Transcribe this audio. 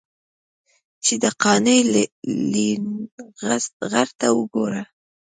چې دا قانع لېونغرته وګوره.